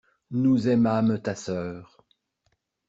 Nous aimâmes ta sœur.